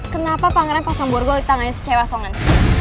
kenapa pangeran pasang burgol di tangannya si cewe asongan